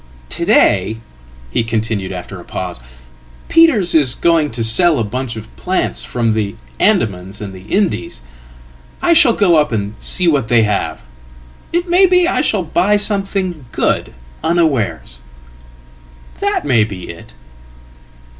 "To day," he continued, after a pause, "Peters' are going to sell a batchof plants from the Andamans and the Indies. I shall go up and see whatthey have. It may be I shall buy something good unawares. That may be it."